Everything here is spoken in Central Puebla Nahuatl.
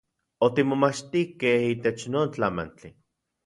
Otimomachtikej itech non tlamantli.